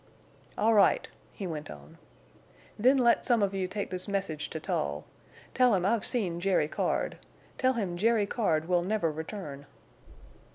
"All right," he went on. "Then let some of you take this message to Tull. Tell him I've seen Jerry Card! ... Tell him Jerry Card _will never return!